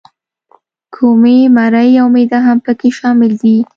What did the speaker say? کومي، مرۍ او معده هم پکې شامل دي.